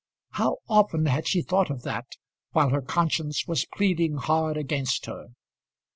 How often had she thought of that, while her conscience was pleading hard against her!